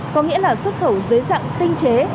có nghĩa là xuất khẩu dễ dàng tinh chế